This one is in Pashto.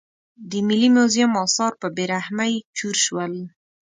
د ملي موزیم اثار په بې رحمۍ چور شول.